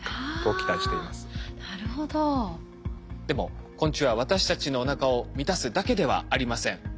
でも昆虫は私たちのおなかを満たすだけではありません。